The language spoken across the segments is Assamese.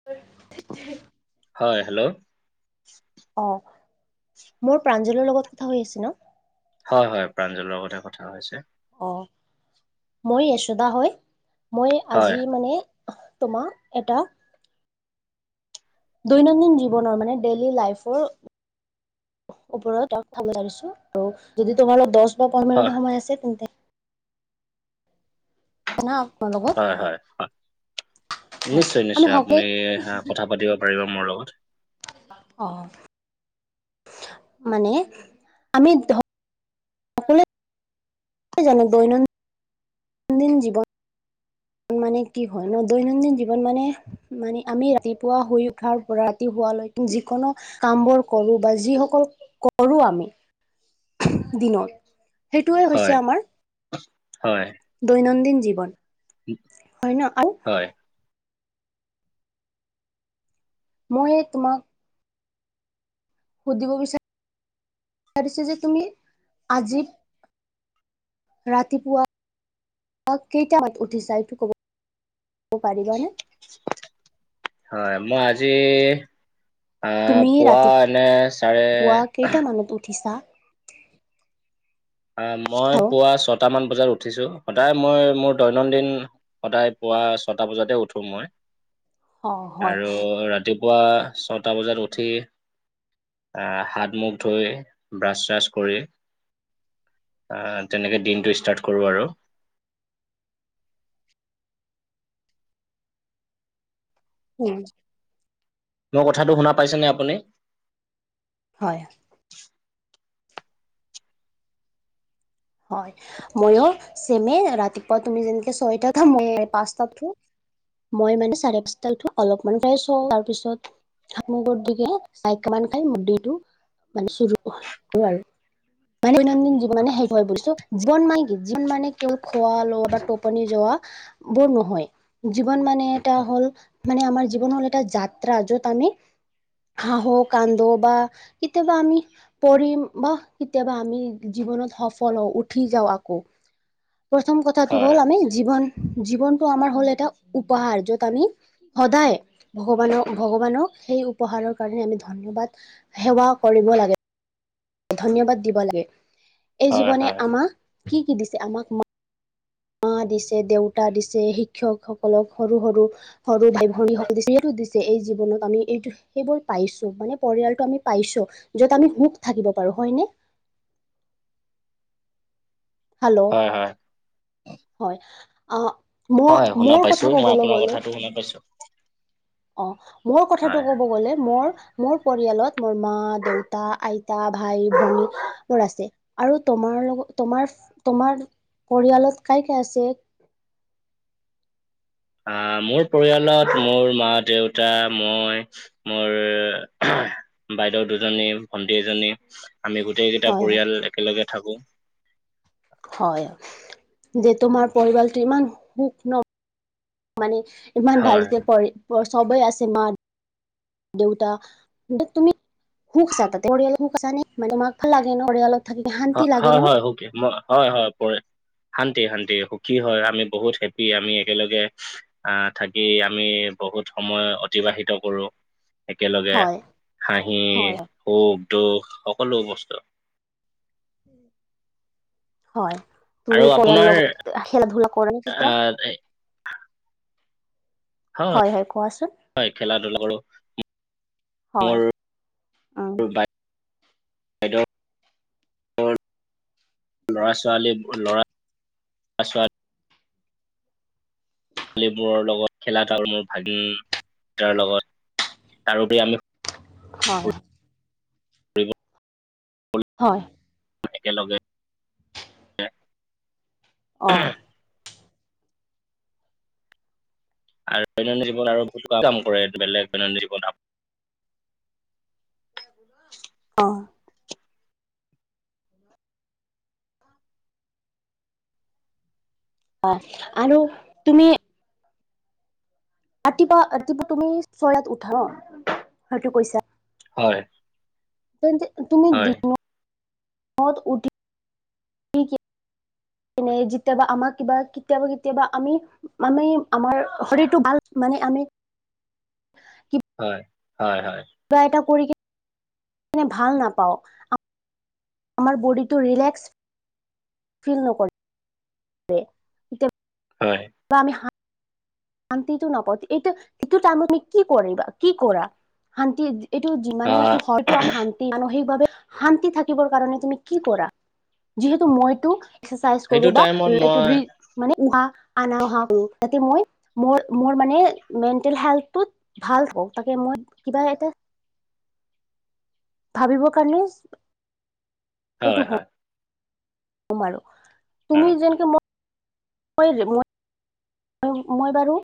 [unintelligible] হয়, হেল্ল'। অ', মোৰ প্ৰাঞ্জলৰ লগত কথা হৈ আছে ন? হয় হয়, প্ৰাঞ্জলৰ লগতে কথা হৈছে। অ', মই য়শোদা, হয় মই হয়, আজি মানে আহ তোমাৰ এটা দৈনন্দিন জীৱনৰ, মানে ডেইলি লাইফৰ ওপৰত [unintelligible] পাৰিছোঁ আৰু যদি তোমাৰ লগত দহ বা পন্ধৰ হয়, মিনিটৰ সময় আছে তেন্তে [unintelligible] হয় হয় হয়, হয় নিশ্চয় আমি নিশ্চয়, সকলোৱে আপুনি কথা পাতিব পাৰিব মোৰ লগত। অঁ। মানে আমি জানোঁ দৈনন্দিন ন্দিন জীৱন মানে কি হয়, ন দৈনন্দিন জীৱন মানে মানে আমি, ৰাতিপুৱা শুই উঠাৰ পৰা ৰাতি শুৱালৈ যিকোনো কাম বোৰ কৰোঁ, বা যিসকল কৰোঁ আমি দিনত সেইটোৱে হয়, হৈছে আমাৰ হয়। দৈনন্দিন জীৱন হয় ন, আৰু হয়, মই এই তোমাক সুধিব বিচাৰিছোঁ যে, তুমি আজি ৰাতিপুৱা কেইটামানত উঠিছা? এইটো ক'ব পাৰিবনে? হয়, মই আজি তুমি পুৱা এনে, চাৰে ৰাতিপুৱা [unintelligible] উঠিছা অ', মই আৰু পুৱা ছয়টা মান বজাত উঠিছোঁ, সদায় মই মোৰ দৈনন্দিন সদায় পুৱা ছয়টা বজাতে উঠো মই অ হয় আৰু ৰাতিপুৱা ছয়ত ছয়টা বজাত উঠি হাত মুখ ধুই ব্ৰাছ চাছ কৰি অ', তেনেকে দিনটো ষ্টাৰ্ট কৰোঁ আৰু উম্। মোৰ কথাটো শুনা পাইছেনে আপুনি? হয়। হয়, ময়ো ছেমে ৰাতিপুৱা তুমি যেনেকে ছয়টা উঠা, ময়ো পাঁচটাত উঠো। মই মানে চাৰে পাঁচটাত উঠো অলপ ফ্ৰেচ হওঁ, তাৰপিছত হাত মুখ ধুই পিনে ছাহ একাপ মান খাই, মুৰ্দিটো মানে কৰো আৰু। দৈনন্দিন জীৱনত মানে সেই হয়, বুজিছোঁ। জীৱন মানে কি, জীৱন মানে কেৱল খোৱা লোৱা বা টোপনি যোৱা সেইবোৰ নহয়। জীৱন মানে এটা হ'ল, মানে আমাৰ জীৱনৰ হ'ল এটা যাত্ৰা। য'ত আমি হাঁহো কান্দো বা কেতিয়াবা আমি পৰিম বা কেতিয়াবা আমি জীৱনত হ ফল উঠি যাওঁ আকৌ, প্ৰথম কথাটো হয়, হ'ল আমি জীৱন জীৱনটো আমাৰ হ'ল এটা উপহাৰ। য'ত আমি সদায়, ভগৱানক। ভগৱানক সেই উপহাৰৰ কাৰণে আমি ধন্যবাদ সেৱা কৰিব লাগে ধন্যবাদ দিব লাগে। এই হয়, জীৱনে হয়, আমাক কি কি দিছে। আমাক মা দিছে, দেউতা দিছে, শিক্ষকসকলক সৰু সৰু সৰু ভাই-ভনী সকল দিছে। এইটো দিছে, এই জীৱনত আমি এইটো সেইবোৰ পাইছোঁ। মানে, পৰিয়ালটো আমি পাইছোঁ, য'ত আমি সুখ থাকিব পাৰোঁ হয়নে। হেল্ল' হয়, হয়, হয় হয়, মই শুনা মোৰ পাইছোঁ, কথা মই ক'বলৈ আপোনাৰ গ'লে। কথাটো শুনা পাইছোঁ। অ', মোৰ কথাটো হয়, ক'ব গ'লে মোৰ মোৰ পৰিয়ালত মোৰ মা, দেউতা, আইতা, ভাই, ভনী মোৰ আছে। আৰু তোমাৰ লগত তোমাৰ, তোমাৰ পৰিয়ালত কাই, কাই আছে। আহ্, মোৰ পৰিয়ালত মোৰ মা, দেউতা, মই। মোৰ বাইদেউ দুজনী, ভন্টি এজনী। আমি গোটেই কেইটা হয় পৰিয়াল একেলগে থাকো। হয়, যে তোমাৰ পৰিয়ালটো ইমান সুখ ন। মানে, ইমান হয়, ভালকে পঢ় চবেই আছে মা দেউতা, তুমি সুখ চা তাতে, পৰিয়ালৰ সুখ আছে মানে মাক ভাল লাগে ন পৰিয়ালত। থাকি শান্তি লাগে ন হয়, হয়কে, হয়, হয়। শান্তি, শান্তি। সুখী হয়, আমি বহুত হেপি আমি একেলগে অ', থাকি আমি বহুত সময় অতিবাহিত কৰোঁ। একেলগে হয় হাঁহি হয় সুখ, দুখ সকলো বস্তু হয়। আৰু তুমি পৰিয়ালৰ আপোনাৰ লগত খেলা, ধূলা কৰানে কেতিয়াবা? আহ হয়, হয়। কোৱাচোন হয় খেলা ধূলা কৰো হয়। মোৰ অ',। বাইদেউৰ ল'ৰা, ছোৱালী ল'ৰা, ল'ৰা, ছোৱালী ছোৱালীবোৰৰ লগত খেলা, তোৰ মোৰ ভাগিনৰ লগত। তাৰোপৰি আমি হয়। ফুৰিব [inaudible] হয়। একেলগে। অ',। আৰু দৈনন্দিন জীৱন আৰু বহুত কাম কৰে, বেলেগ দৈনন্দিন জীৱনৰ। অ'। অ', আৰু তুমি ৰাতিপুৱা, ৰাতিপুৱা তুমি চোতালত উঠা হয়তো কৈছা। হয়। তুমি হয় [unintelligible] উঠি এনে যেতিয়াবা আমাক কিবা কেতিয়াবা, কেতিয়াবা আমি আমি আমাৰ শৰীৰটো ভাল মানে আমি হয়, হয়, হয়। কিবা এটা কৰি কেনে ভাল নাপাও। আমাৰ বডিটো ৰিলেক্স ফিল নকৰে। এতিয়া হয়। [unintelligible] আমি শান্তিটো নাপাওঁ, এইটো, সটো টাইমত তুমি কি কৰিবা, কি কৰা শান্তি এইটো যিমানে আহ এইটো [unintelligible] সেইটো মানসিকভাৱে শান্তি থাকিবৰ কাৰণে তুমি কি কৰা যিহেতু মইটো এক্সেৰচাইজ কৰো সেইটো বা টাইমত ইটো মই বৃত মানে উহা আনউহা কৰো যাতে মই মোৰ মোৰ মানে মেণ্টেল হেলথটো ভাল হ'ক তাকে মই কিবা এটা ভাবিব কাৰণে এইটো হয় হয়। [unintelligible] অ তুমি যেনেকেই মোৰ [unintelligible] মই বাৰু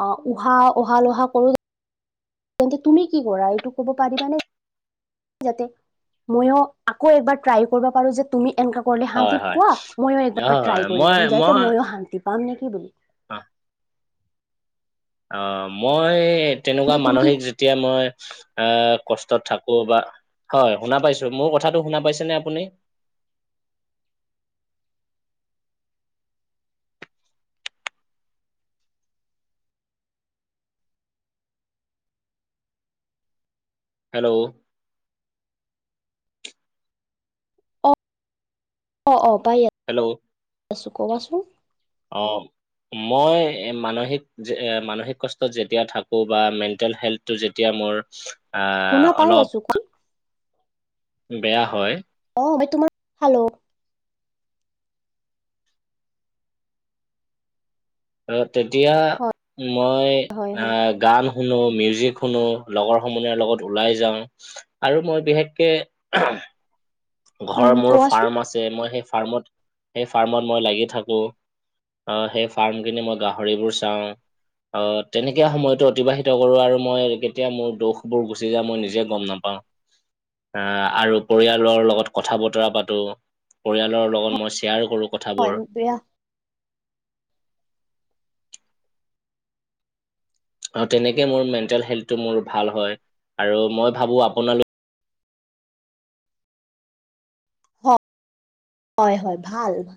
অ', উহা উহা লোহা কৰো তেন্তে তুমি কি কৰা এইটো কব পাৰিবানে? যাতে মইও আকৌ এবাৰ ট্ৰাই কৰিব পাৰো যে তুমি এনেকা কৰিলে হয় শান্তি হয় পোৱা ময়ো একবাৰ হয় ট্ৰাই কৰি মই লম যাতে মই ময়ো শান্তি পাম নেকি বুলি। অ'। অ', মই তেনেকুৱা যে তুমি কি মানসিক যেতিয়া মই আহ কষ্টত থাকো বা হয় শুনা পাইছো মোৰ কথাটো শুনা পাইছেনে আপুনি? হেল্ল'? অ অ', অ', পাই হেল্ল'? আছো ক'বচোন। অ', মই মানসিক যে এ মানসিক কষ্টত যেতিয়া থাকো বা মেণ্টেল হেল্থটো যেতিয়া মোৰ আ শুনা পাই অলপ আছো ক বেয়া হয়। অ', তোমাৰ [unintelligible] খালো। তেতিয়া হয় মই হয় হয় আহ গান শুনো মিউজিক শুনো লগৰ সমনীয়াৰ লগত ওলাই যাওঁ। আৰু মই বিশেষকে উম ঘৰ মোৰ কোৱাচোন ফাৰ্ম আছে মই সেই ফাৰ্মত সেই ফাৰ্মত মই লাগি থাকো। অ', সেই ফাৰ্ম খিনি মই গাহৰিবোৰ চাওঁ। অ', তেনেকে সময়তো অতিবাহিত কৰো আৰু মই কেতিয়া মোৰ দুখবোৰ গুচি যায় মই নিজে গম নাপাওঁ। অ', আহ আৰু পৰিয়ালৰ লগত কথা বতৰা পাটো পৰিয়ালৰ লগত মই শ্বেয়াৰ কৰো। হয় কথাবোৰ [unintelligible] আৰু তেনেকেই মোৰ মেণ্টেল হেল্থটো মোৰ ভাল হয় আৰু মই ভাবো আপোনালোক হয় হয় ভাল ভাল।